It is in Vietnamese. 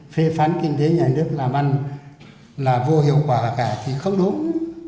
phê phán kinh tế nhà nước làm ăn là vô hiệu quả cả thì không đúng